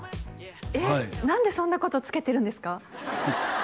はいなんでそんなことつけてるんですか？